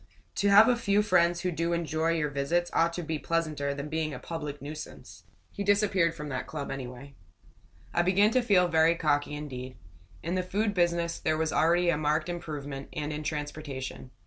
"To have a few friends who do enjoy your visits ought to be pleasanter than being a public nuisance." He disappeared from that club, anyway. I began to feel very cocky indeed. In the food business there was already a marked improvement; and in transportation.